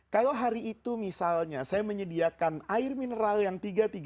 kalau hari itu misalnya saya menyediakan air mineral yang tiga ratus tiga puluh